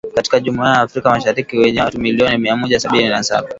katika Jumuiya ya Afrika Mashariki yenye watu milioni mia Mmoja sabini na saba